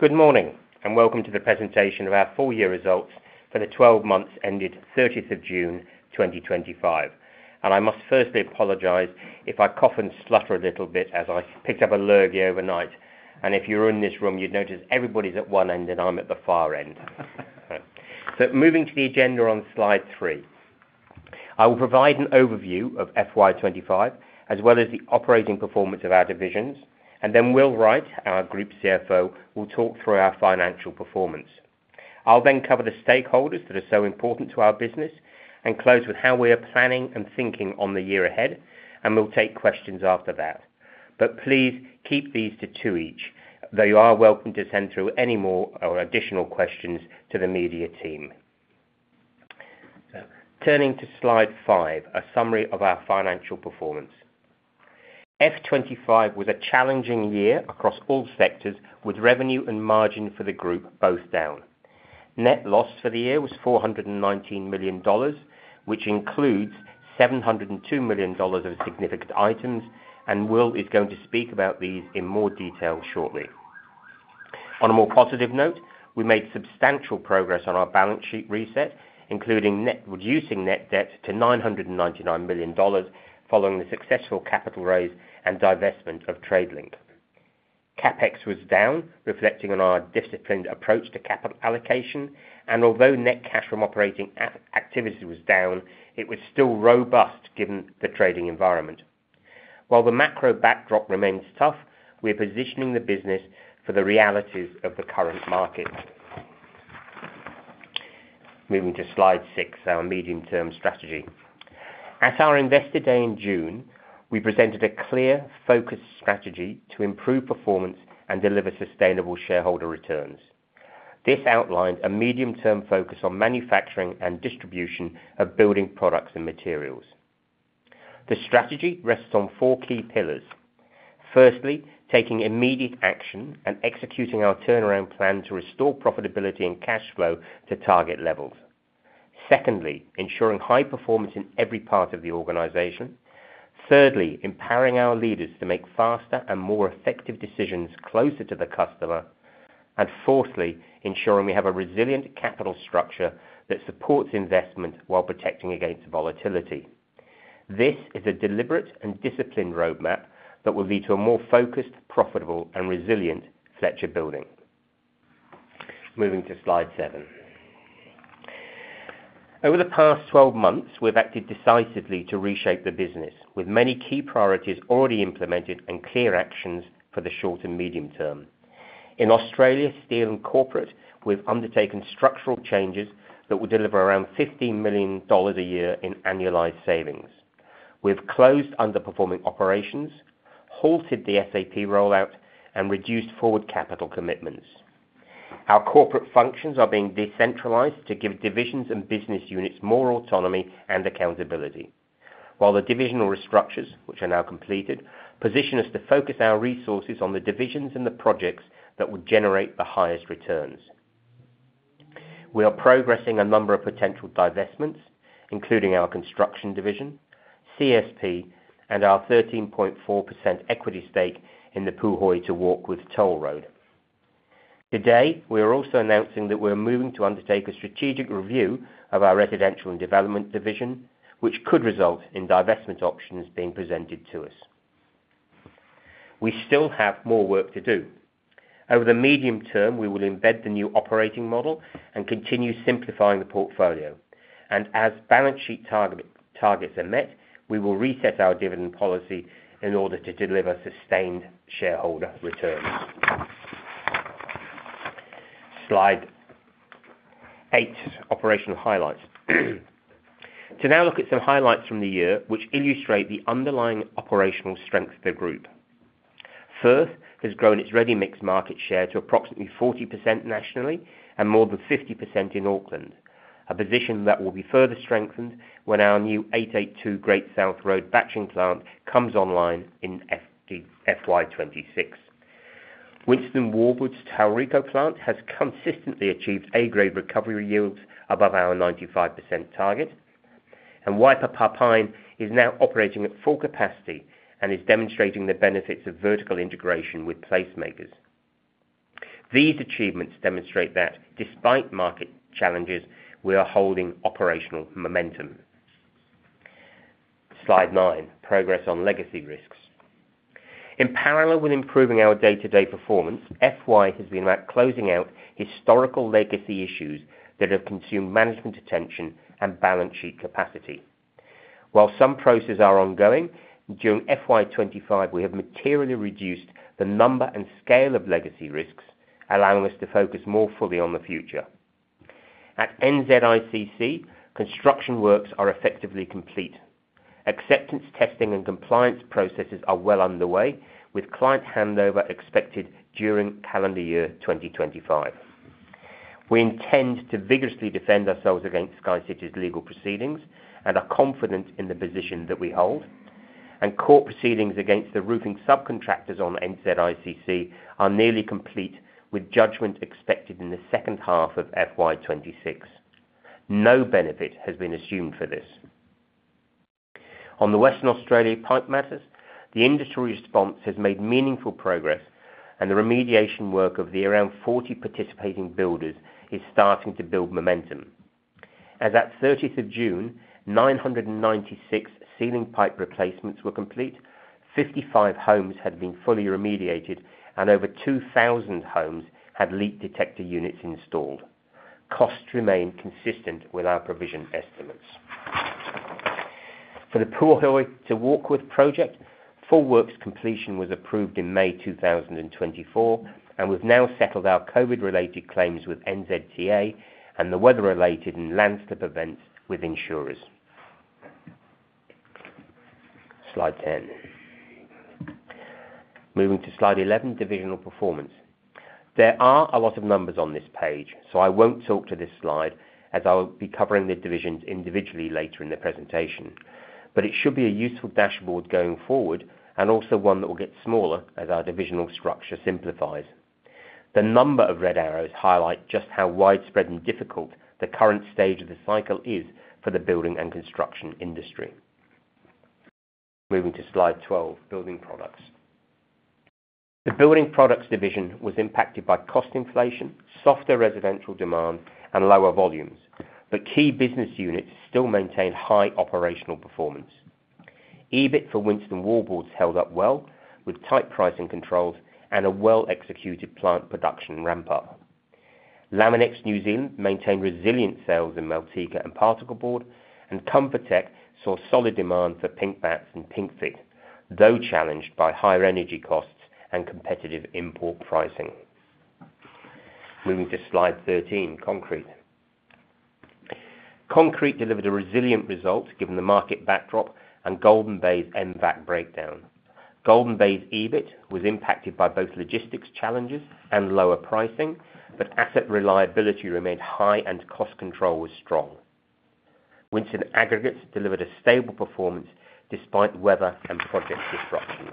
Good morning and welcome to the presentation of our full-year results for the 12 months ended 30th of June 2025. I must firstly apologize if I cough and slough a little bit as I picked up a lurgy overnight. If you're in this room, you'd notice everybody's at one end and I'm at the far end. Moving to the agenda on slide three, I will provide an overview of FY 2025 as well as the operating performance of our divisions. Will Wright, our Group CFO, will talk through our financial performance. I'll then cover the stakeholders that are so important to our business and close with how we are planning and thinking on the year ahead. We'll take questions after that. Please keep these to two each, though you are welcome to send through any more or additional questions to the media team. Turning to slide five, a summary of our financial performance. FY 2025 was a challenging year across all sectors, with revenue and margin for the group both down. Net loss for the year was $419 million, which includes $702 million of significant items. Will is going to speak about these in more detail shortly. On a more positive note, we made substantial progress on our balance sheet reset, including reducing net debt to $999 million following the successful capital raise and divestment of Tradelink. CapEx was down, reflecting on our disciplined approach to capital allocation. Although net cash from operating activity was down, it was still robust given the trading environment. While the macro backdrop remains tough, we are positioning the business for the realities of the current market. Moving to slide six, our medium-term strategy. At our Investor Day in June, we presented a clear, focused strategy to improve performance and deliver sustainable shareholder returns. This outlined a medium-term focus on manufacturing and distribution of building products and materials. The strategy rests on four key pillars. Firstly, taking immediate action and executing our turnaround plan to restore profitability and cash flow to target levels. Secondly, ensuring high performance in every part of the organization. Thirdly, empowering our leaders to make faster and more effective decisions closer to the customer. Fourthly, ensuring we have a resilient capital structure that supports investment while protecting against volatility. This is a deliberate and disciplined roadmap that will lead to a more focused, profitable, and resilient Fletcher Building. Moving to slide seven. Over the past 12 months, we've acted decisively to reshape the business, with many key priorities already implemented and clear actions for the short and medium term. In Australia, Steel and Corporate, we've undertaken structural changes that will deliver around $15 million a year in annualized savings. We've closed underperforming operations, halted the SAP rollout, and reduced forward capital commitments. Our corporate functions are being decentralized to give divisions and business units more autonomy and accountability. While the divisional restructures, which are now completed, position us to focus our resources on the divisions and the projects that will generate the highest returns. We are progressing a number of potential divestments, including our Construction Division, CSP, and our 13.4% equity stake in the Puhoi to Warkworth Toll Road. Today, we are also announcing that we are moving to undertake a strategic review of our Residential and Development Division, which could result in divestment options being presented to us. We still have more work to do. Over the medium term, we will embed the new operating model and continue simplifying the portfolio. As balance sheet targets are met, we will reset our dividend policy in order to deliver sustained shareholder return. Slide eight, operational highlights. To now look at some highlights from the year, which illustrate the underlying operational strength of the group. Firth has grown its ready-mix market share to approximately 40% nationally and more than 50% in Auckland, a position that will be further strengthened when our new 882 Great South Road batching plant comes online in FY 2026. Winstone Wallboards' Tauriko plant has consistently achieved A-grade recovery yields above our 95% target. Wiri Pipe plant is now operating at full capacity and is demonstrating the benefits of vertical integration with PlaceMakers. These achievements demonstrate that, despite market challenges, we are holding operational momentum. Slide nine, progress on legacy risks. In parallel with improving our day-to-day performance, FY 2025 has been closing out historical legacy issues that have consumed management attention and balance sheet capacity. While some processes are ongoing, during FY 2025, we have materially reduced the number and scale of legacy risks, allowing us to focus more fully on the future. At NZICC, construction works are effectively complete. Acceptance testing and compliance processes are well underway, with client handover expected during calendar year 2025. We intend to vigorously defend ourselves against SkyCity's legal proceedings and are confident in the position that we hold. Court proceedings against the roofing subcontractors on NZICC are nearly complete, with judgment expected in the second half of FY 2026. No benefit has been assumed for this. On the Western Australia pipe matters, the industry response has made meaningful progress, and the remediation work of the around 40 participating builders is starting to build momentum. As at June 30, 996 ceiling pipe replacements were complete, 55 homes had been fully remediated, and over 2,000 homes had leak detector units installed. Costs remain consistent with our provision estimates. For the Puhoi to Warkworth Toll Road project, full works completion was approved in May 2024, and we've now settled our COVID-related claims with NZTA and the weather-related and landscape events with insurers. Slide 10. Moving to slide 11, divisional performance. There are a lot of numbers on this page, so I won't talk to this slide as I'll be covering the divisions individually later in the presentation. It should be a useful dashboard going forward and also one that will get smaller as our divisional structure simplifies. The number of red arrows highlights just how widespread and difficult the current stage of the cycle is for the building and construction industry. Moving to slide 12, building products. The building products division was impacted by cost inflation, softer residential demand, and lower volumes, but key business units still maintained high operational performance. EBIT for Winstone Wallboards held up well, with tight pricing controls and a well-executed plant production ramp-up. Laminex New Zealand maintained resilient sales in Melteca and Particle Board, and Comfortech saw solid demand for Pink Batts and PinkFit, though challenged by higher energy costs and competitive import pricing. Moving to slide 13, concrete. Concrete delivered a resilient result given the market backdrop and Golden Bay's MVAT breakdown. Golden Bay's EBIT was impacted by both logistics challenges and lower pricing, but asset reliability remained high and cost control was strong. Winstone Aggregates delivered a stable performance despite weather and project disruptions.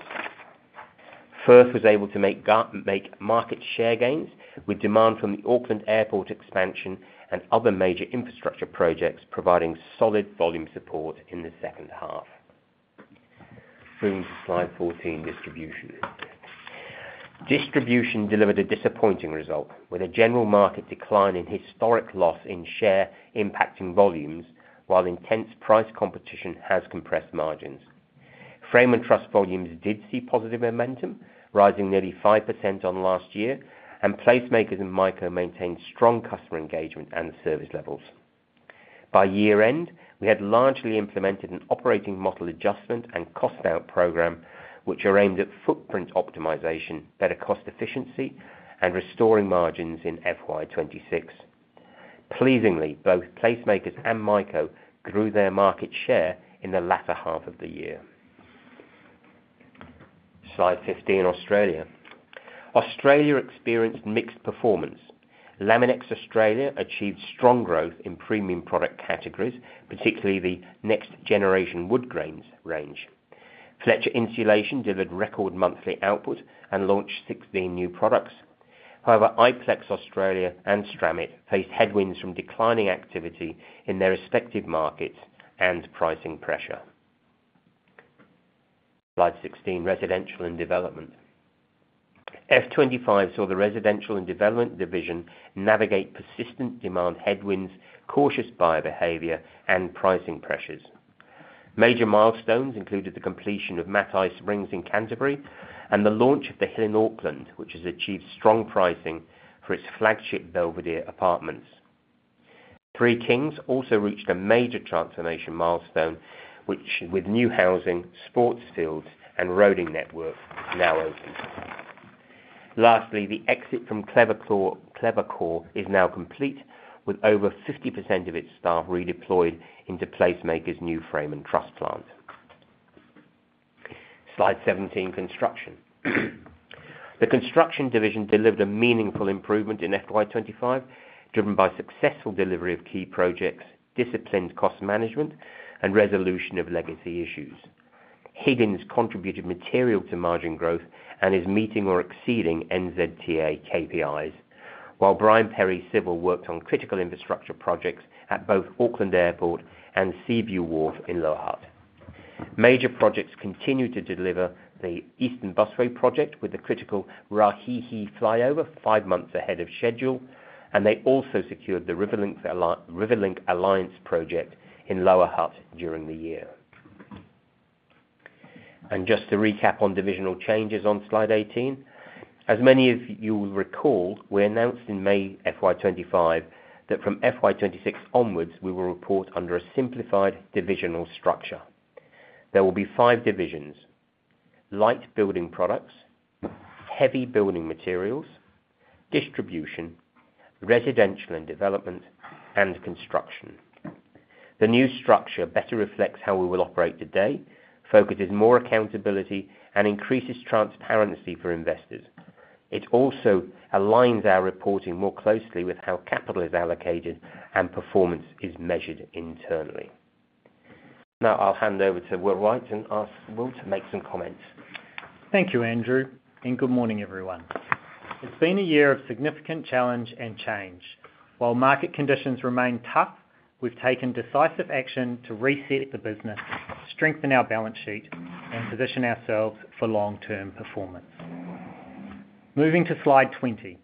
Firth was able to make market share gains with demand from the Auckland Airport expansion and other major infrastructure projects, providing solid volume support in the second half. Moving to slide 14, distribution. Distribution delivered a disappointing result, with a general market decline and historic loss in share impacting volumes, while intense price competition has compressed margins. Frame and Trust volumes did see positive momentum, rising nearly 5% on last year, and PlaceMakers and MYCO maintained strong customer engagement and service levels. By year-end, we had largely implemented an operating model adjustment and cost-out program, which are aimed at footprint optimization, better cost efficiency, and restoring margins in FY 2026. Pleasingly, both PlaceMakers and MYCO grew their market share in the latter half of the year. Slide 15, Australia. Australia experienced mixed performance. Laminex Australia achieved strong growth in premium product categories, particularly the next-generation wood grains range. Fletcher Insulation delivered record monthly output and launched 16 new products. However, Iplex Australia and Stramit faced headwinds from declining activity in their respective markets and pricing pressure. Slide 16, residential and development. FY 2025 saw the residential and development division navigate persistent demand headwinds, cautious buyer behavior, and pricing pressures. Major milestones included the completion of Matai Springs in Canterbury and the launch of The Hill in Auckland, which has achieved strong pricing for its flagship Belvedere apartments. Three Kings also reached a major transformation milestone, which, with new housing, sports fields, and roading network, now opens. Lastly, the exit from Clever Core is now complete, with over 50% of its staff redeployed into PlaceMakers' new Frame and Truss plant. Slide 17, construction. The construction division delivered a meaningful improvement in FY 2025, driven by successful delivery of key projects, disciplined cost management, and resolution of legacy issues. Higgins contributed material to margin growth and is meeting or exceeding NZTA KPIs, while Brian Perry Civil worked on critical infrastructure projects at both Auckland Airport and Seaview Wharf in Lower Hutt. Major projects continue to deliver the Eastern Busway project with the critical Rā Hihi flyover five months ahead of schedule, and they also secured the Riverlink Alliance project in Lower Hutt during the year. To recap on divisional changes on slide 18, as many of you will recall, we announced in May 2025 that from 2026 onwards, we will report under a simplified divisional structure. There will be five divisions: light building products, heavy building materials, distribution, residential and development, and construction. The new structure better reflects how we will operate today, focuses more accountability, and increases transparency for investors. It also aligns our reporting more closely with how capital is allocated and performance is measured internally. Now I'll hand over to Will Wright and ask Will to make some comments. Thank you, Andrew, and good morning, everyone. It's been a year of significant challenge and change. While market conditions remain tough, we've taken decisive action to reset the business, strengthen our balance sheet, and position ourselves for long-term performance. Moving to slide 20,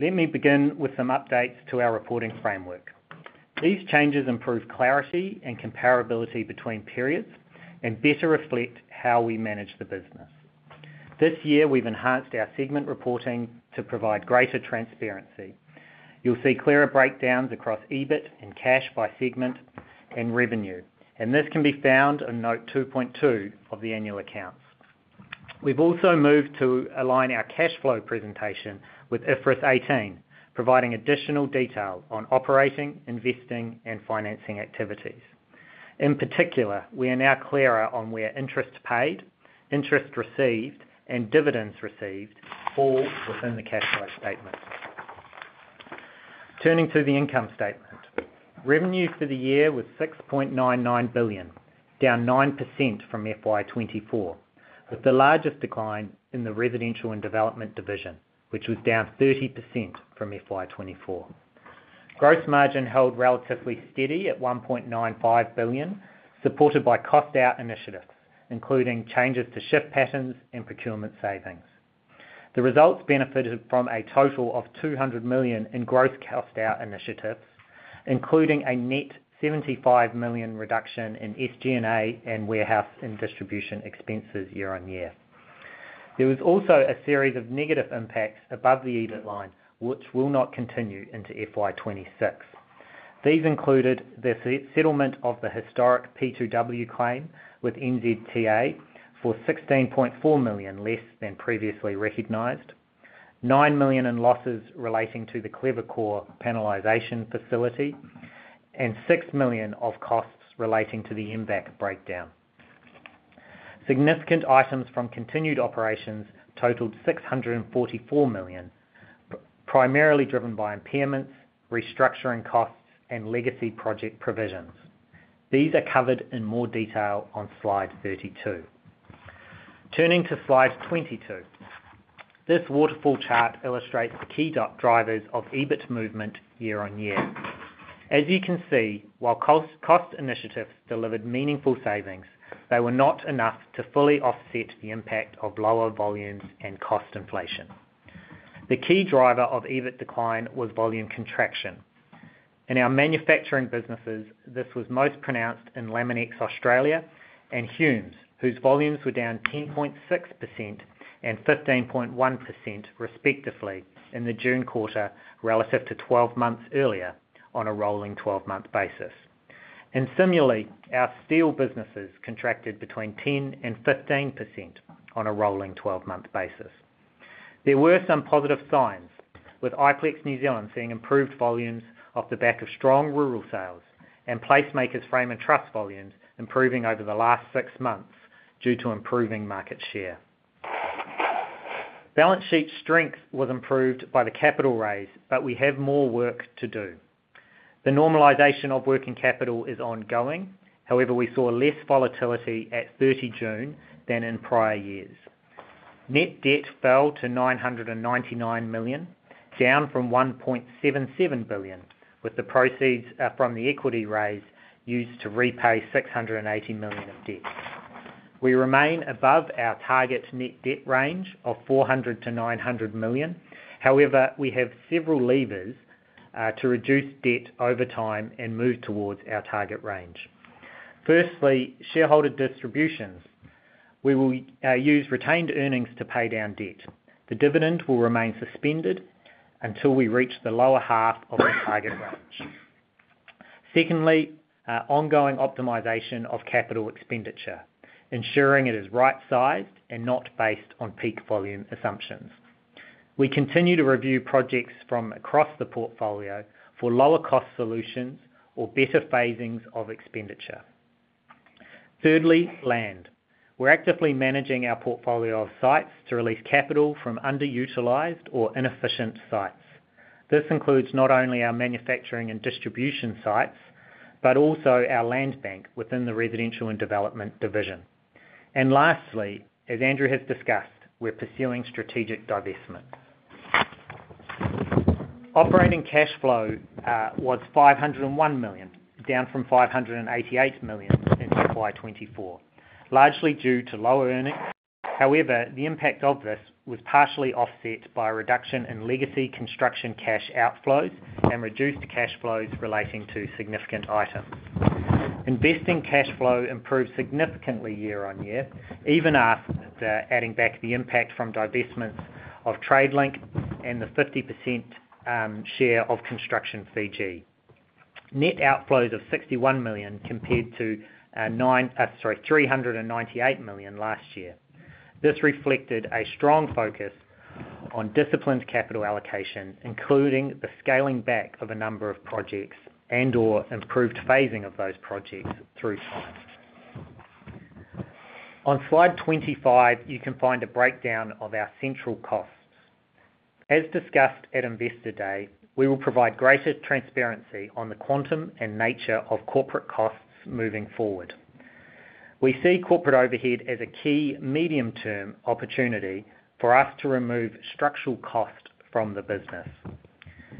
let me begin with some updates to our reporting framework. These changes improve clarity and comparability between periods and better reflect how we manage the business. This year, we've enhanced our segment reporting to provide greater transparency. You'll see clearer breakdowns across EBIT and cash by segment and revenue, and this can be found on note 2.2 of the annual accounts. We've also moved to align our cash flow presentation with IFRS 18, providing additional detail on operating, investing, and financing activities. In particular, we are now clearer on where interest paid, interest received, and dividends received fall within the cash flow statements. Turning to the income statement, revenue for the year was $6.99 billion, down 9% from FY 2024, with the largest decline in the Residential and Development division, which was down 30% from FY 2024. Gross margin held relatively steady at $1.95 billion, supported by cost-out initiatives, including changes to shift patterns and procurement savings. The results benefited from a total of $200 million in gross cost-out initiatives, including a net $75 million reduction in FG&A and warehouse and distribution expenses year-on-year. There was also a series of negative impacts above the EBIT line, which will not continue into FY 2026. These included the settlement of the historic P2W claim with NZTA for $16.4 million less than previously recognized, $9 million in losses relating to the Clever Core penalisation facility, and $6 million of costs relating to the MBEC breakdown. Significant items from continued operations totaled $644 million, primarily driven by impairments, restructuring costs, and legacy project provisions. These are covered in more detail on slide 32. Turning to slide 22, this waterfall chart illustrates the key drivers of EBIT movement year-on-year. As you can see, while cost initiatives delivered meaningful savings, they were not enough to fully offset the impact of lower volumes and cost inflation. The key driver of EBIT decline was volume contraction. In our manufacturing businesses, this was most pronounced in Laminex Australia and Humes, whose volumes were down 10.6% and 15.1% respectively in the June quarter relative to 12 months earlier on a rolling 12-month basis. Similarly, our steel businesses contracted between 10% and 15% on a rolling 12-month basis. There were some positive signs, with Iplex New Zealand seeing improved volumes off the back of strong rural sales and PlaceMakers' Frame and Truss volumes improving over the last six months due to improving market share. Balance sheet strength was improved by the capital raise, but we have more work to do. The normalization of working capital is ongoing. However, we saw less volatility at 30 June than in prior years. Net debt fell to $999 million, down from $1.77 billion, with the proceeds from the equity raise used to repay $680 million of debt. We remain above our target net debt range of $400 million to $900 million. However, we have several levers to reduce debt over time and move towards our target range. Firstly, shareholder distributions. We will use retained earnings to pay down debt. The dividend will remain suspended until we reach the lower half of the target range. Secondly, ongoing optimization of capital expenditure, ensuring it is right-sized and not based on peak volume assumptions. We continue to review projects from across the portfolio for lower-cost solutions or better phasings of expenditure. Thirdly, land. We're actively managing our portfolio of sites to release capital from underutilized or inefficient sites. This includes not only our manufacturing and distribution sites, but also our land bank within the residential and development division. Lastly, as Andrew has discussed, we're pursuing strategic divestment. Operating cash flow was $501 million, down from $588 million since FY 2024, largely due to lower earnings. However, the impact of this was partially offset by a reduction in legacy construction cash outflows and reduced cash flows relating to significant items. Investing cash flow improved significantly year-on-year, even after adding back the impact from divestments of Tradelink and the 50% share of Construction Fiji. Net outflows of $61 million compared to $398 million last year. This reflected a strong focus on disciplined capital allocation, including the scaling back of a number of projects and/or improved phasing of those projects through funds. On slide 25, you can find a breakdown of our central costs. As discussed at Investor Day, we will provide greater transparency on the quantum and nature of corporate costs moving forward. We see corporate overhead as a key medium-term opportunity for us to remove structural costs from the business.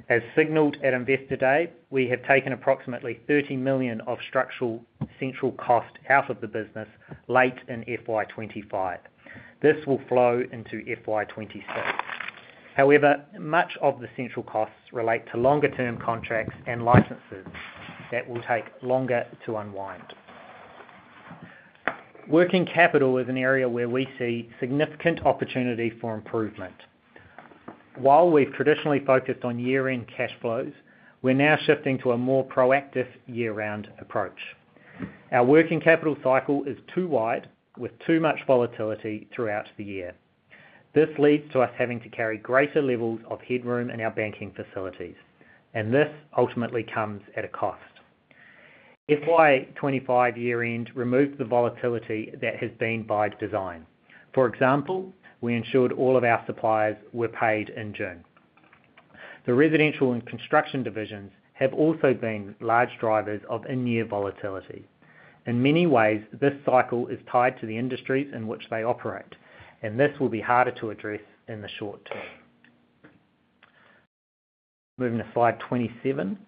As signaled at Investor Day, we have taken approximately $30 million of structural central costs out of the business late in FY 2025. This will flow into FY 2026. However, much of the central costs relate to longer-term contracts and licenses that will take longer to unwind. Working capital is an area where we see significant opportunity for improvement. While we've traditionally focused on year-end cash flows, we're now shifting to a more proactive year-round approach. Our working capital cycle is too wide, with too much volatility throughout the year. This leads to us having to carry greater levels of headroom in our banking facilities, and this ultimately comes at a cost. FY 2025 year-end removes the volatility that has been by design. For example, we ensured all of our suppliers were paid in June. The residential and construction divisions have also been large drivers of annual volatility. In many ways, this cycle is tied to the industry in which they operate, and this will be harder to address in the short term. Moving to slide 27.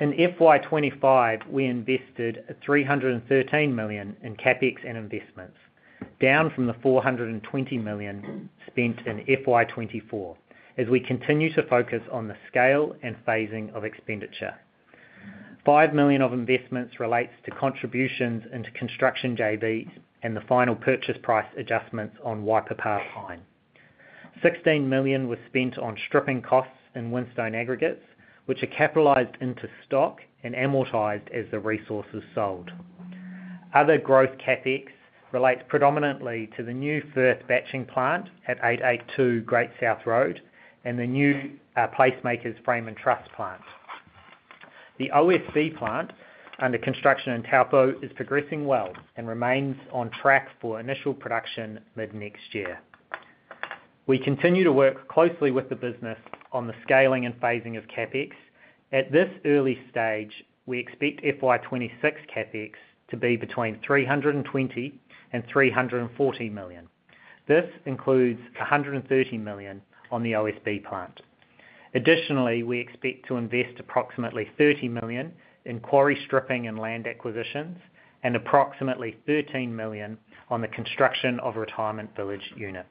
In FY 2025, we invested $313 million in CapEx and investments, down from the $420 million spent in FY 2024, as we continue to focus on the scale and phasing of expenditure. $5 million of investments relate to contributions into construction JVs and the final purchase price adjustments on [Puhoi]. $16 million was spent on stripping costs in Winstone Aggregates, which are capitalized into stock and amortized as the resources sold. Other growth CapEx relate predominantly to the new Firth batching plant at 882 Great South Road and the new PlaceMakers Frame and Truss plant. The OSV plant under construction in Taupo is progressing well and remains on track for initial production mid-next year. We continue to work closely with the business on the scaling and phasing of CapEx. At this early stage, we expect FY 2026 CapEx to be between $320 million and $340 million. This includes $130 million on the OSV plant. Additionally, we expect to invest approximately $30 million in quarry stripping and land acquisitions, and approximately $13 million on the construction of retirement village units.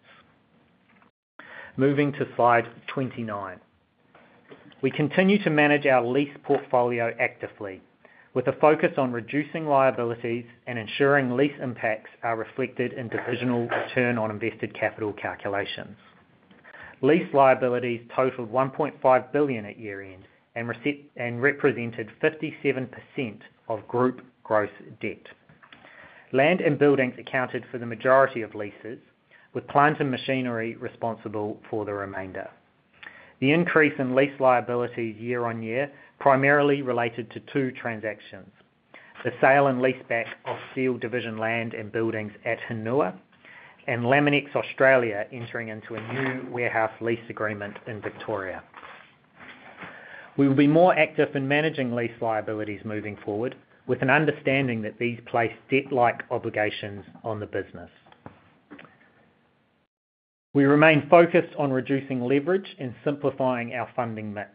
Moving to slide 29. We continue to manage our lease portfolio actively, with a focus on reducing liabilities and ensuring lease impacts are reflected in divisional return on invested capital calculations. Lease liabilities totaled $1.5 billion at year-end and represented 57% of group gross debt. Land and buildings accounted for the majority of leases, with plants and machinery responsible for the remainder. The increase in lease liabilities year-on-year primarily related to two transactions: the sale and leaseback of steel division land and buildings at Hinua, and Laminex Australia entering into a new warehouse lease agreement in Victoria. We will be more active in managing lease liabilities moving forward, with an understanding that these place debt-like obligations on the business. We remain focused on reducing leverage and simplifying our funding mix.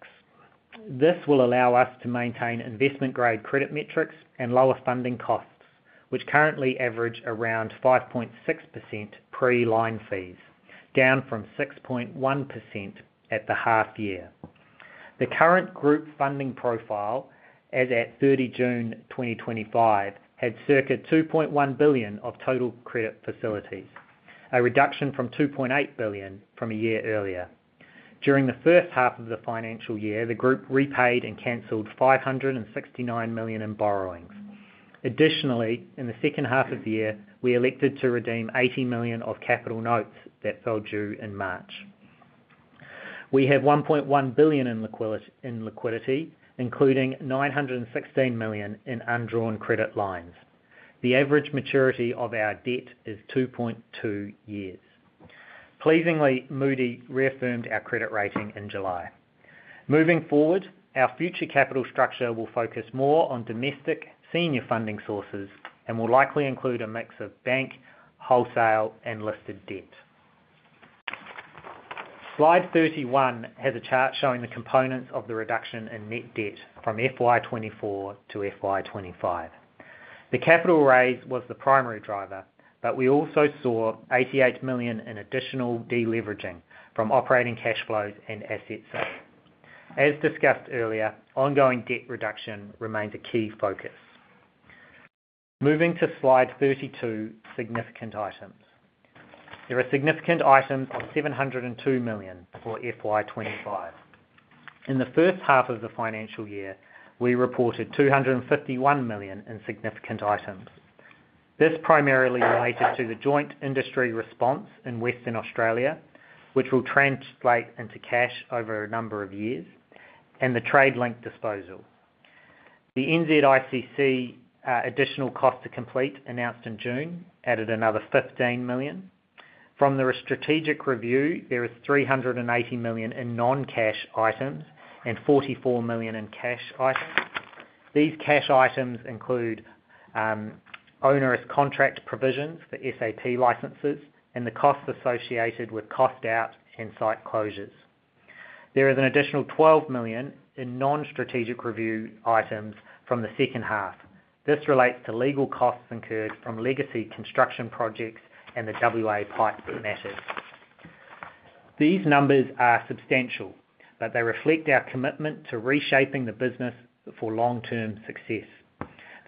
This will allow us to maintain investment-grade credit metrics and lower funding costs, which currently average around 5.6% pre-line fees, down from 6.1% at the half-year. The current group funding profile, as at 30 June 2025, had circa $2.1 billion of total credit facilities, a reduction from $2.8 billion from a year earlier. During the first half of the financial year, the group repaid and cancelled $569 million in borrowings. Additionally, in the second half of the year, we elected to redeem $80 million of capital notes that fell due in March. We have $1.1 billion in liquidity, including $916 million in undrawn credit lines. The average maturity of our debt is 2.2 years. Pleasingly, Moody's reaffirmed our credit rating in July. Moving forward, our future capital structure will focus more on domestic senior funding sources and will likely include a mix of bank, wholesale, and listed debt. Slide 31 has a chart showing the components of the reduction in net debt from FY 2024 to FY 2025. The capital raise was the primary driver, but we also saw $88 million in additional deleveraging from operating cash flows and assets. As discussed earlier, ongoing debt reduction remains a key focus. Moving to slide 32, significant items. There are significant items of $702 million for FY 2025. In the first half of the financial year, we reported $251 million in significant items. This primarily related to the joint industry response in Western Australia, which will translate into cash over a number of years, and the Tradelink disposal. The NZICC additional costs to complete announced in June added another $15 million. From the strategic review, there is $380 million in non-cash items and $44 million in cash items. These cash items include onerous contract provisions for SAP licenses and the costs associated with cost out and site closures. There is an additional $12 million in non-strategic review items from the second half. This relates to legal costs incurred from legacy construction projects and the WA pipe matters. These numbers are substantial, but they reflect our commitment to reshaping the business for long-term success.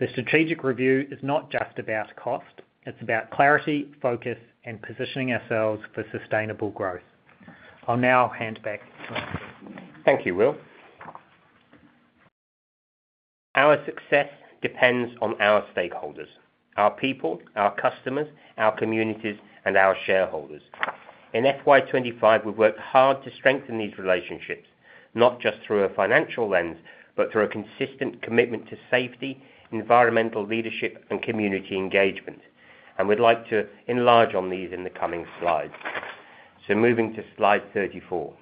The strategic review is not just about cost, it's about clarity, focus, and positioning ourselves for sustainable growth. I'll now hand back to the slide. Thank you, Will. Our success depends on our stakeholders, our people, our customers, our communities, and our shareholders. In FY 2025, we've worked hard to strengthen these relationships, not just through a financial lens, but through a consistent commitment to safety, environmental leadership, and community engagement. We'd like to enlarge on these in the coming slides. Moving to slide 34.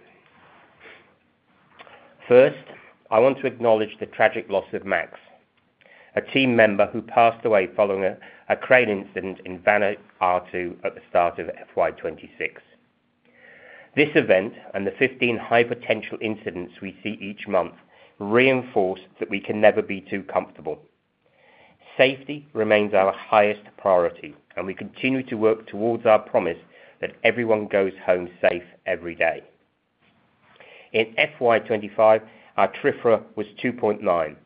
First, I want to acknowledge the tragic loss of Max, a team member who passed away following a crane incident in [van R2] at the start of FY 2026. This event and the 15 high potential incidents we see each month reinforce that we can never be too comfortable. Safety remains our highest priority, and we continue to work towards our promise that everyone goes home safe every day. In FY 2025, our [TRIFRA] was 2.9,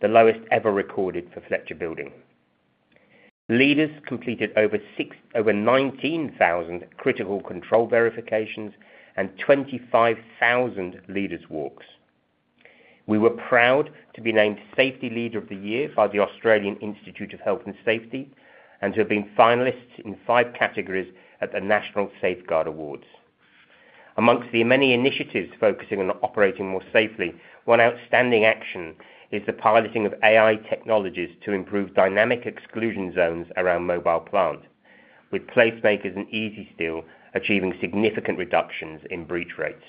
the lowest ever recorded for Fletcher Building. Leaders completed over 19,000 critical control verifications and 25,000 leaders' walks. We were proud to be named Safety Leader of the Year by the Australian Institute of Health and Safety and to have been finalists in five categories at the National Safeguard Awards. Amongst the many initiatives focusing on operating more safely, one outstanding action is the piloting of AI technologies to improve dynamic exclusion zones around mobile plants, with PlaceMakers and Easysteel achieving significant reductions in breach rates.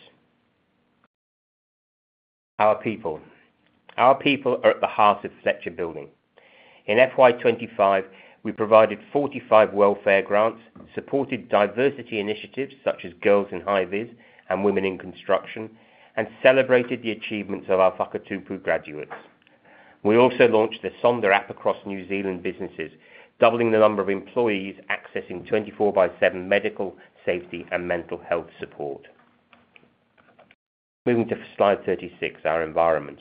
Our people. Our people are at the heart of Fletcher Building. In FY 2025, we provided 45 welfare grants, supported diversity initiatives such as Girls with Hi-Vis and Women in Construction, and celebrated the achievements of our Whakatupu graduates. We also launched the Sonder app across New Zealand businesses, doubling the number of employees accessing 24/7 medical, safety, and mental health support. Moving to slide 36, our environment.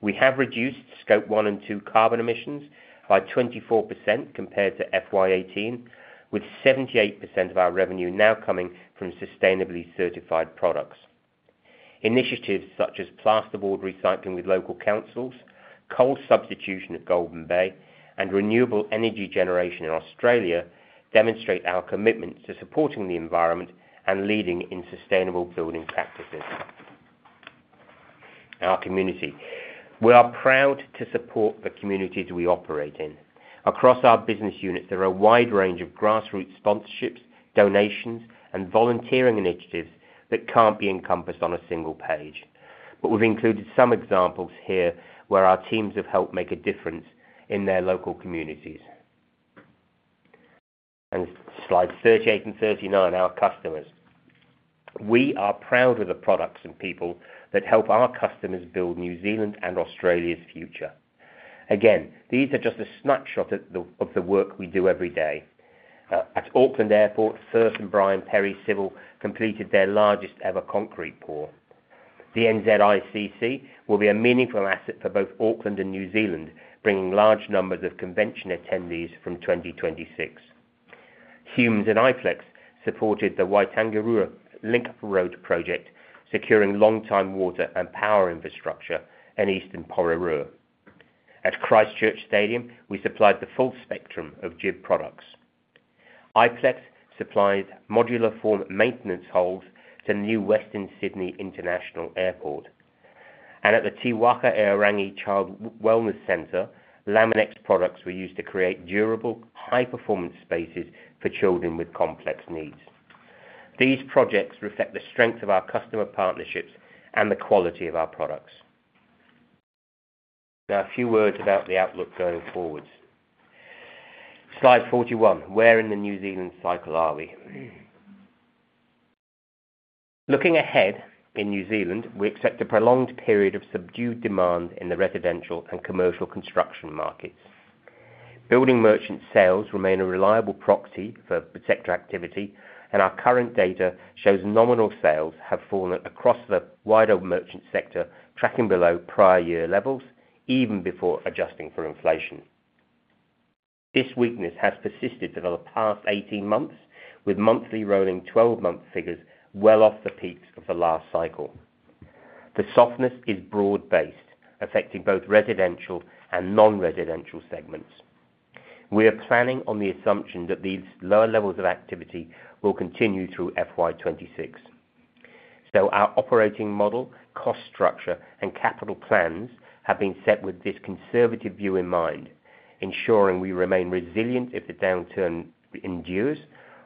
We have reduced scope one and two carbon emissions by 24% compared to FY 2018, with 78% of our revenue now coming from sustainably certified products. Initiatives such as plasterboard recycling with local councils, coal substitution at Golden Bay, and renewable energy generation in Australia demonstrate our commitment to supporting the environment and leading in sustainable building practices. Our community. We are proud to support the communities we operate in. Across our business unit, there are a wide range of grassroots sponsorships, donations, and volunteering initiatives that can't be encompassed on a single page. We've included some examples here where our teams have helped make a difference in their local communities. In slides 38 and 39, our customers. We are proud of the products and people that help our customers build New Zealand and Australia's future. These are just a snapshot of the work we do every day. At Auckland Airport, Firth and Brian Perry Civil completed their largest ever concrete pour. The NZICC will be a meaningful asset for both Auckland and New Zealand, bringing large numbers of convention attendees from 2026. Humes and IPLEX supported the Waitangirua Link Road project, securing long-time water and power infrastructure in Eastern Porou. At Christchurch Stadium, we supplied the full spectrum of jib products. IPLEX supplied modular form maintenance holes to New Western Sydney International Airport. At the Te Waka Aorangi Child Wellness Centre, Laminex products were used to create durable, high-performance spaces for children with complex needs. These projects reflect the strength of our customer partnerships and the quality of our products. Now, a few words about the outlook going forwards. Slide 41, where in the New Zealand cycle are we? Looking ahead in New Zealand, we expect a prolonged period of subdued demand in the residential and commercial construction markets. Building merchant sales remain a reliable proxy for sector activity, and our current data shows nominal sales have fallen across the wider merchant sector, tracking below prior year levels, even before adjusting for inflation. This weakness has persisted over the past 18 months, with monthly rolling 12-month figures well off the peaks of the last cycle. The softness is broad-based, affecting both residential and non-residential segments. We are planning on the assumption that these lower levels of activity will continue through FY 2026. Still, our operating model, cost structure, and capital plans have been set with this conservative view in mind, ensuring we remain resilient if the downturn endures,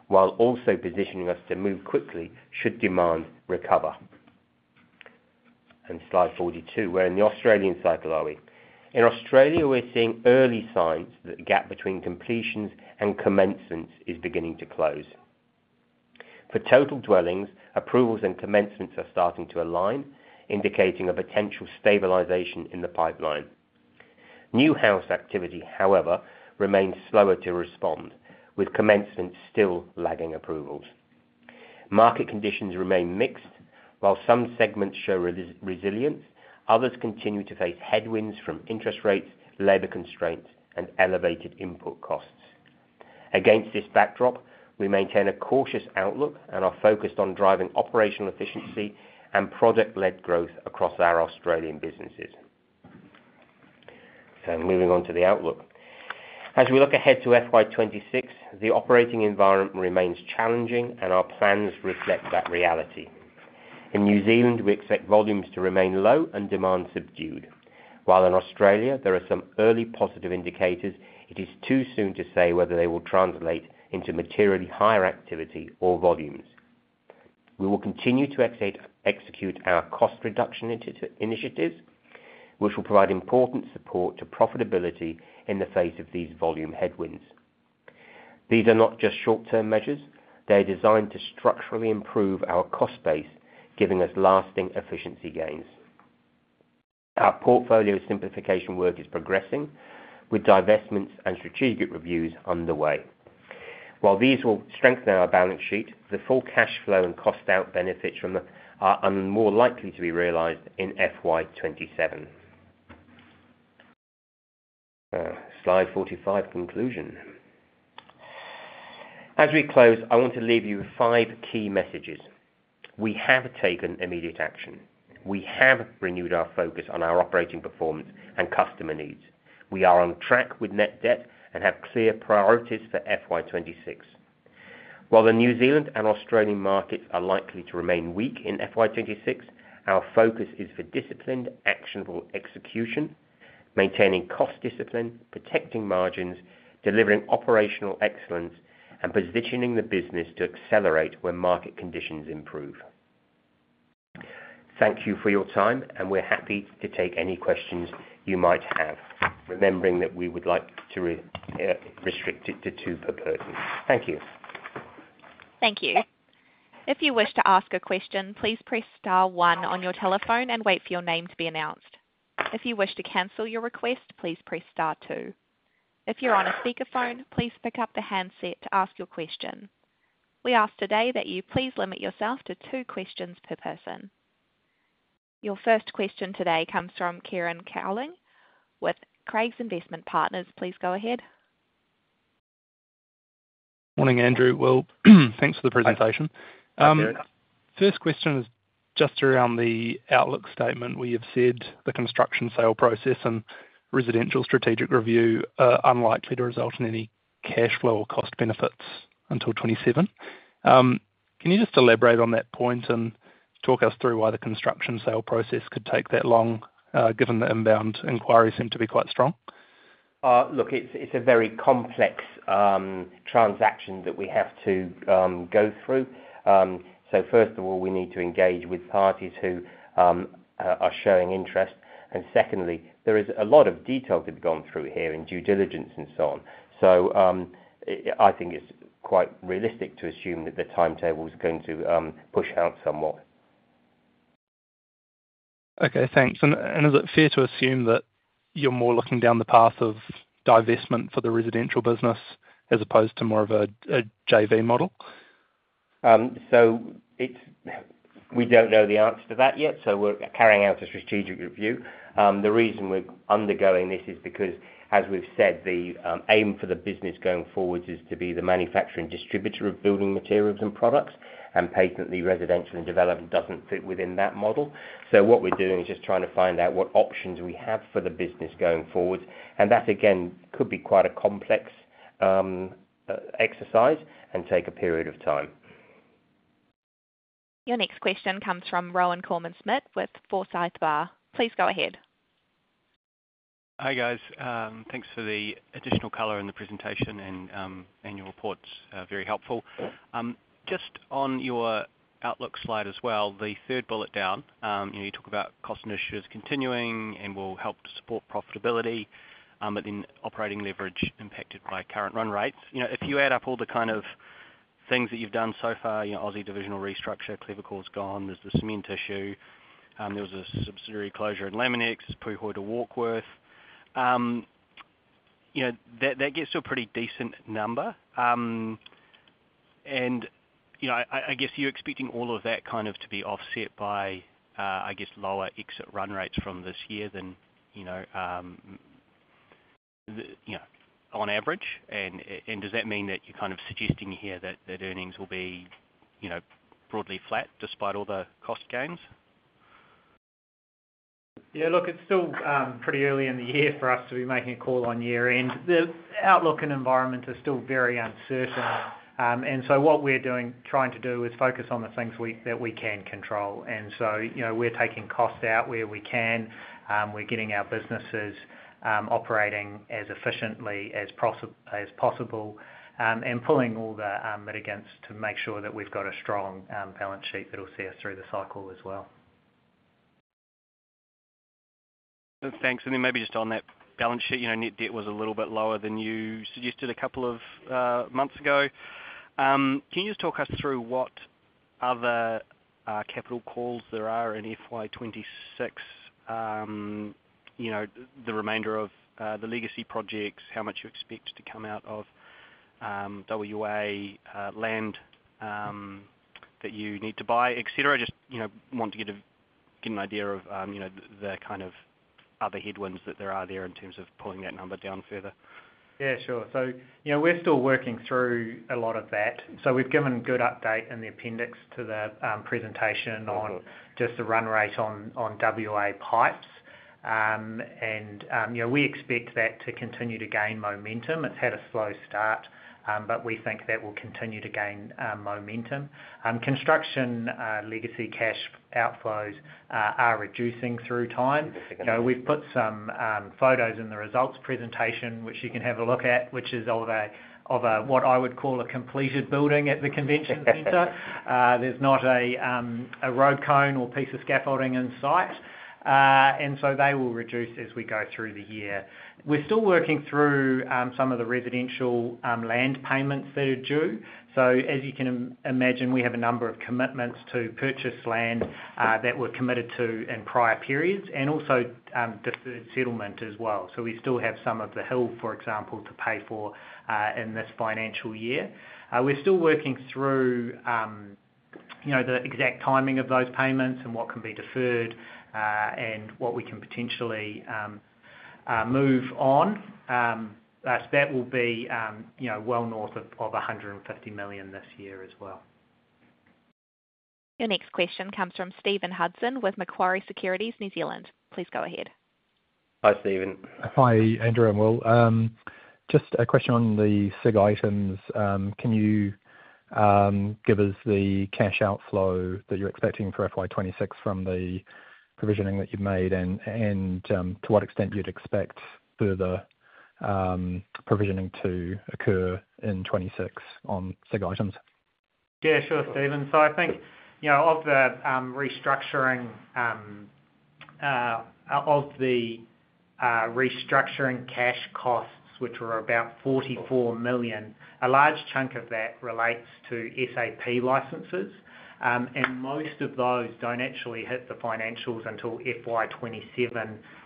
while also positioning us to move quickly should demand recover. On slide 42, where in the Australian cycle are we? In Australia, we're seeing early signs that the gap between completions and commencements is beginning to close. For total dwellings, approvals and commencements are starting to align, indicating a potential stabilization in the pipeline. New house activity, however, remains slower to respond, with commencements still lagging approvals. Market conditions remain mixed. While some segments show resilience, others continue to face headwinds from interest rates, labor constraints, and elevated input costs. Against this backdrop, we maintain a cautious outlook and are focused on driving operational efficiency and project-led growth across our Australian businesses. Moving on to the outlook. As we look ahead to FY 2026, the operating environment remains challenging, and our plans reflect that reality. In New Zealand, we expect volumes to remain low and demand subdued. While in Australia, there are some early positive indicators, it is too soon to say whether they will translate into materially higher activity or volumes. We will continue to execute our cost reduction initiatives, which will provide important support to profitability in the face of these volume headwinds. These are not just short-term measures; they're designed to structurally improve our cost base, giving us lasting efficiency gains. Our portfolio simplification work is progressing, with divestments and strategic reviews underway. While these will strengthen our balance sheet, the full cash flow and cost-out benefits are more likely to be realized in FY 2027. On slide 45, conclusion. As we close, I want to leave you with five key messages. We have taken immediate action. We have renewed our focus on our operating performance and customer needs. We are on track with net debt and have clear priorities for FY 2026. While the New Zealand and Australian markets are likely to remain weak in FY 2026, our focus is for disciplined, actionable execution, maintaining cost discipline, protecting margins, delivering operational excellence, and positioning the business to accelerate when market conditions improve. Thank you for your time, and we're happy to take any questions you might have, remembering that we would like to restrict it to two per person. Thank you. Thank you. If you wish to ask a question, please press star one on your telephone and wait for your name to be announced. If you wish to cancel your request, please press star two. If you're on a speakerphone, please pick up the handset to ask your question. We ask today that you please limit yourself to two questions per person. Your first question today comes from Kieran Cowling with Craigs Investment Partners. Please go ahead. Morning, Andrew. Thanks for the presentation. First question is just around the outlook statement. We have said the construction sale process and residential strategic review are unlikely to result in any cash flow or cost benefits until 2027. Can you just elaborate on that point and talk us through why the construction sale process could take that long, given the inbound inquiries seem to be quite strong? Look, it's a very complex transaction that we have to go through. First of all, we need to engage with parties who are showing interest. Secondly, there is a lot of detail to be gone through here and due diligence and so on. I think it's quite realistic to assume that the timetable is going to push out somewhat. Okay, thanks. Is it fair to assume that you're more looking down the path of divestment for the residential business as opposed to more of a JV model? We don't know the answer to that yet. We're carrying out a strategic review. The reason we're undergoing this is because, as we've said, the aim for the business going forward is to be the manufacturing distributor of building materials and products, and patently residential and development doesn't fit within that model. What we're doing is just trying to find out what options we have for the business going forward. That, again, could be quite a complex exercise and take a period of time. Your next question comes from Rowan Coleman-Smith with Foresight Bar. Please go ahead. Hi guys. Thanks for the additional color in the presentation and annual reports. Very helpful. Just on your outlook slide as well, the third bullet down, you talk about cost initiatives continuing and will help support profitability, but then operating leverage impacted by current run rates. If you add up all the kind of things that you've done so far, you know, Australia divisional restructure, Clever Core's gone, there's the cement issue, there was a subsidiary closure in Laminex, Puhoi to Warkworth, that gives you a pretty decent number. I guess you're expecting all of that kind of to be offset by, I guess, lower exit run rates from this year than, you know, on average. Does that mean that you're kind of suggesting here that earnings will be, you know, broadly flat despite all the cost gains? Yeah, look, it's still pretty early in the year for us to be making a call on year-end. The outlook and environment are still very uncertain. What we're trying to do is focus on the things that we can control. We're taking costs out where we can, getting our businesses operating as efficiently as possible, and pulling all the mitigants to make sure that we've got a strong balance sheet that will see us through the cycle as well. Thanks. Maybe just on that balance sheet, net debt was a little bit lower than you suggested a couple of months ago. Can you just talk us through what other capital calls there are in FY 2026? The remainder of the legacy projects, how much you expect to come out of Western Australia land that you need to buy, etc. Just want to get an idea of the kind of other headwinds that there are there in terms of pulling that number down further. Yeah, sure. We're still working through a lot of that. We've given a good update in the appendix to the presentation on just the run rate on WA pipes, and we expect that to continue to gain momentum. It's had a slow start, but we think that will continue to gain momentum. Construction legacy cash outflows are reducing through time. We've put some photos in the results presentation, which you can have a look at, which is of what I would call a completed building at the convention centre. There's not a road cone or piece of scaffolding in sight, and they will reduce as we go through the year. We're still working through some of the residential land payments that are due. As you can imagine, we have a number of commitments to purchase land that were committed to in prior periods and also deferred settlement as well. We still have some of the hill, for example, to pay for in this financial year. We're still working through the exact timing of those payments and what can be deferred and what we can potentially move on. That will be well north of $150 million this year as well. Your next question comes from Stephen Hudson with Macquarie Securities, New Zealand. Please go ahead. Hi, Stephen. Hi, Andrew and Will. Just a question on the SIG items. Can you give us the cash outflow that you're expecting for FY 2026 from the provisioning that you've made, and to what extent you'd expect further provisioning to occur in 2026 on SIG items? Yeah, sure, Stephen. I think, you know, of the restructuring cash costs, which were about $44 million, a large chunk of that relates to SAP licenses. Most of those don't actually hit the financials until FY 2027,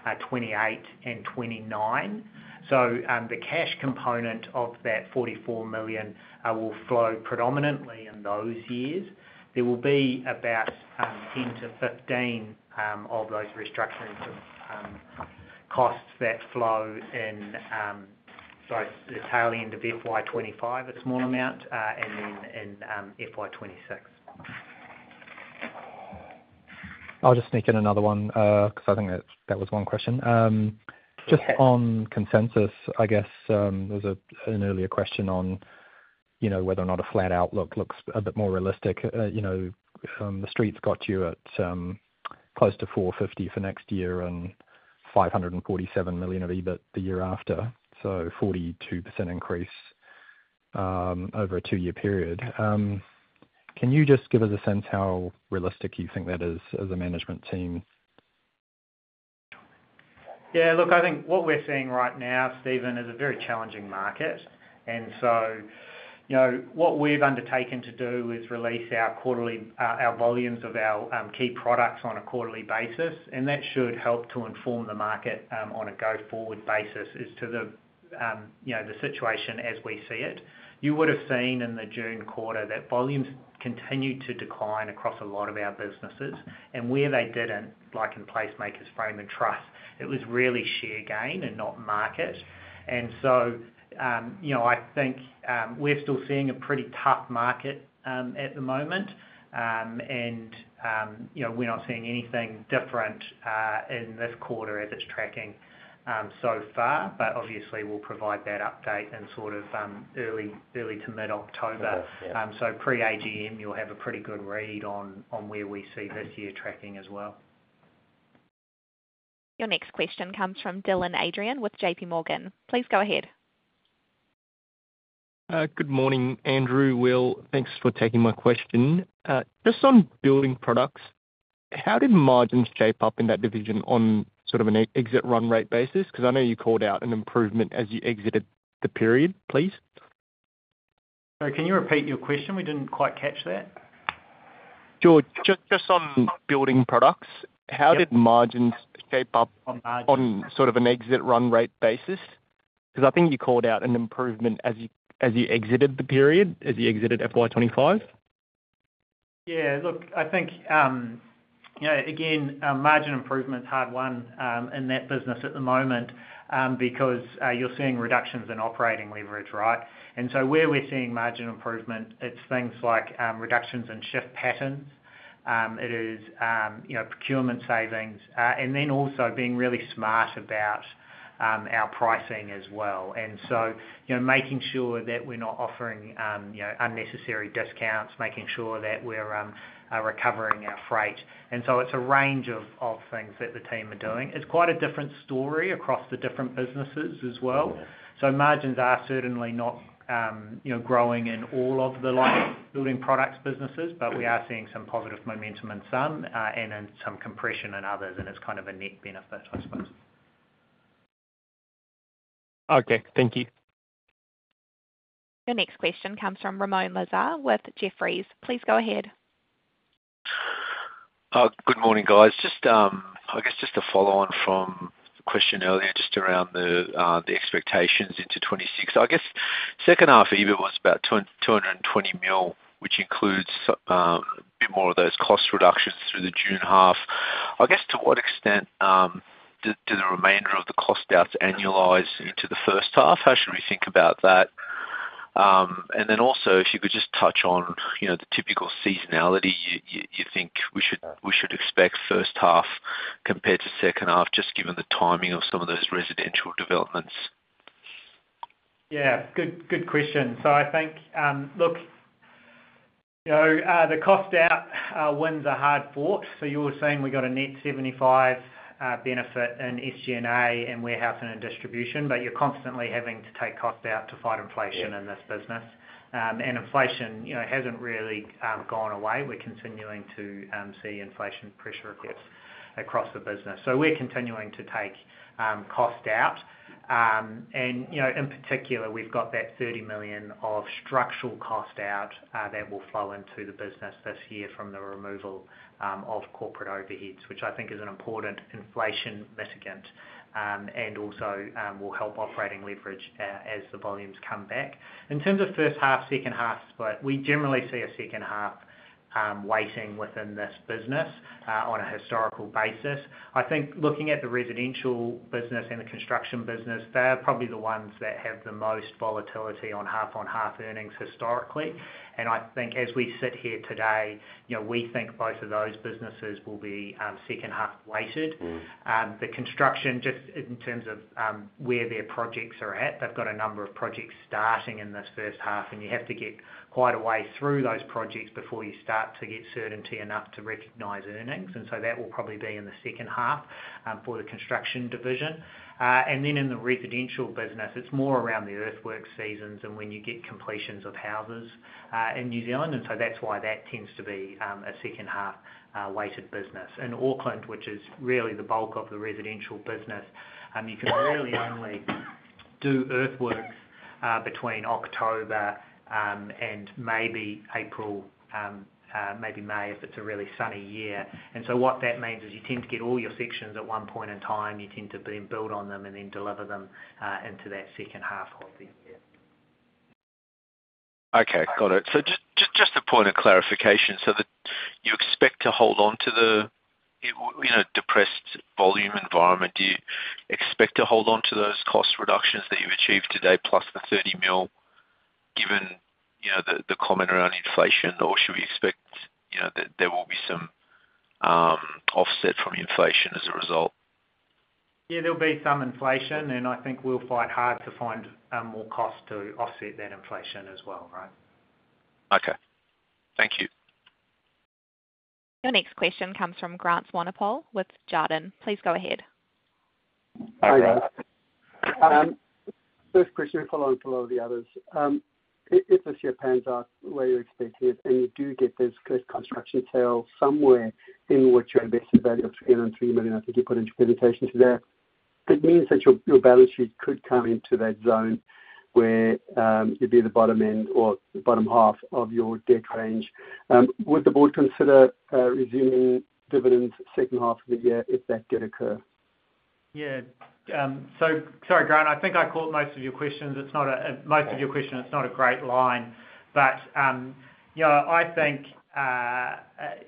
FY 2028, and FY 2029. The cash component of that $44 million will flow predominantly in those years. There will be about $10 million-$15 million of those restructuring costs that flow in both the tail end of FY 2025, a small amount, and then in FY 2026. I'll just sneak in another one because I think that was one question. Just on consensus, I guess there was an earlier question on, you know, whether or not a flat outlook looks a bit more realistic. The street's got you at close to $450 million for next year and $547 million of EBIT the year after. So 42% increase over a two-year period. Can you just give us a sense of how realistic you think that is as a management team? Yeah, look, I think what we're seeing right now, Stephen, is a very challenging market. What we've undertaken to do is release our volumes of our key products on a quarterly basis. That should help to inform the market on a go-forward basis as to the situation as we see it. You would have seen in the June quarter that volumes continued to decline across a lot of our businesses. Where they didn't, like in PlaceMakers' Frame and Truss, it was really sheer gain and not market. I think we're still seeing a pretty tough market at the moment. We're not seeing anything different in this quarter as it's tracking so far. Obviously, we'll provide that update in sort of early to mid-October. Pre-AGM, you'll have a pretty good read on where we see this year tracking as well. Your next question comes from Dylan Adrian with JP Morgan. Please go ahead. Good morning, Andrew. Will, thanks for taking my question. Just on building products, how did margins shape up in that division on sort of an exit run rate basis? I know you called out an improvement as you exited the period, please. Sorry, can you repeat your question? We didn't quite catch that. Sure. Just on building products, how did margins shape up on sort of an exit run rate basis? I think you called out an improvement as you exited the period, as you exited FY 2025. Yeah, look, I think, you know, again, margin improvement's hard won in that business at the moment because you're seeing reductions in operating leverage, right? Where we're seeing margin improvement, it's things like reductions in shift patterns, procurement savings, and then also being really smart about our pricing as well. Making sure that we're not offering unnecessary discounts, making sure that we're recovering our freight. It's a range of things that the team are doing. It's quite a different story across the different businesses as well. Margins are certainly not growing in all of the light building products businesses, but we are seeing some positive momentum in some and some compression in others. It's kind of a net benefit, I suppose. Okay, thank you. Your next question comes from Ramoun Lazar with Jefferies. Please go ahead. Good morning, guys. Just a follow-on from the question earlier, just around the expectations into 2026. I guess second half of EBIT was about $220 million, which includes a bit more of those cost reductions through the June half. To what extent do the remainder of the cost outs annualize into the first half? How should we think about that? Also, if you could just touch on the typical seasonality, you think we should expect first half compared to second half, just given the timing of some of those residential developments? Good question. I think, look, the cost out wins are hard fought. You're saying we've got a net $75 million benefit in SG&A and warehouse and in distribution, but you're constantly having to take cost out to fight inflation in this business. Inflation hasn't really gone away. We're continuing to see inflation pressure across the business. We're continuing to take cost out. In particular, we've got that $30 million of structural cost out that will flow into the business this year from the removal of corporate overheads, which I think is an important inflation mitigant and also will help operating leverage as the volumes come back. In terms of first half, second half, we generally see a second half weighting within this business on a historical basis. Looking at the residential business and the construction business, they're probably the ones that have the most volatility on half-on-half earnings historically. As we sit here today, we think both of those businesses will be second half weighted. The construction, just in terms of where their projects are at, they've got a number of projects starting in this first half, and you have to get quite a way through those projects before you start to get certainty enough to recognize earnings. That will probably be in the second half for the construction division. In the residential business, it's more around the earthwork seasons and when you get completions of houses in New Zealand. That's why that tends to be a second half weighted business. In Auckland, which is really the bulk of the residential business, you can really only do earthworks between October and maybe April, maybe May if it's a really sunny year. What that means is you tend to get all your sections at one point in time, you tend to then build on them and then deliver them into that second half of the year. Okay, got it. Just a point of clarification. You expect to hold on to the, you know, depressed volume environment. Do you expect to hold on to those cost reductions that you've achieved today, plus the $30 million, given, you know, the comment around inflation, or should we expect, you know, that there will be some offset from inflation as a result? Yeah, there'll be some inflation, and I think we'll fight hard to find more costs to offset that inflation as well, right? Okay, thank you. Your next question comes from Grant Swanepoel with Jarden. Please go ahead. Hi, there. First question, following a lot of the others. If the ship pans up where you expect it, and you do get this construction sale somewhere in what your invested value of $303 million, I think you put in communication to that, it means that your balance sheet could come into that zone where you'd be at the bottom end or the bottom half of your debt range. Would the board consider resuming dividends second half of the year if that did occur? Sorry, Grant, I think I caught most of your questions. It's not a great line, but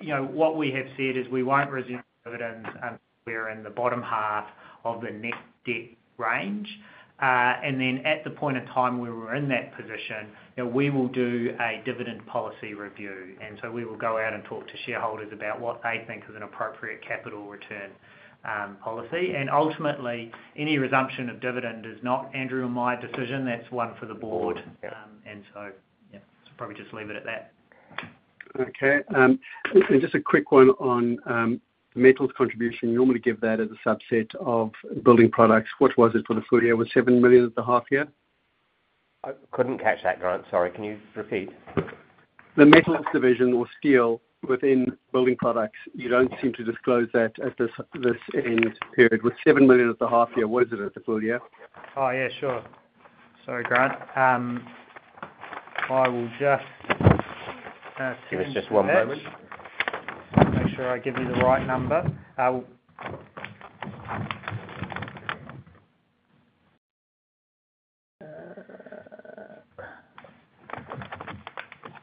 what we have said is we won't resume dividends until we are in the bottom half of the net debt range. At the point in time where we're in that position, we will do a dividend policy review. We will go out and talk to shareholders about what they think is an appropriate capital return policy. Ultimately, any resumption of dividend is not Andrew or my decision, that's one for the board. I'll probably just leave it at that. Okay. Just a quick one on metals contribution. You normally give that as a subset of building products. What was it for the full year? Was it $7 million at the half year? I couldn't catch that, Grant, sorry. Can you repeat? The metals division or steel within Building Products, you don't seem to disclose that at this end period. Was $7 million at the half year, what is it at the full year? Oh, yeah, sure. Sorry, Grant. I will just... Give us just one moment. Make sure I give you the right number.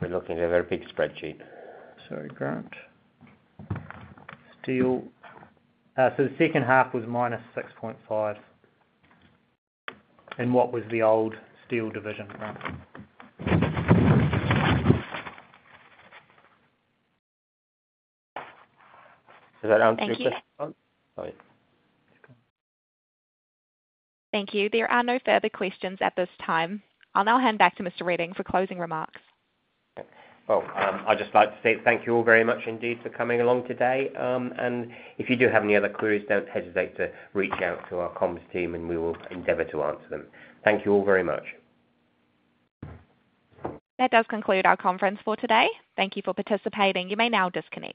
We're looking at a very big spreadsheet. Sorry, Grant. Steel. The second half was -$6.5 million. What was the old steel division, Grant? Is that answered? Thank you. There are no further questions at this time. I'll now hand back to Mr. Reding for closing remarks. I'd just like to say thank you all very much indeed for coming along today. If you do have any other queries, don't hesitate to reach out to our comms team and we will endeavor to answer them. Thank you all very much. That does conclude our conference for today. Thank you for participating. You may now disconnect.